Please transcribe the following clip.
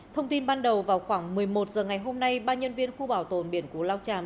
thông tin ban đầu vào khoảng một mươi một h ngày hôm nay ba nhân viên khu bảo tồn biển cú lao tràm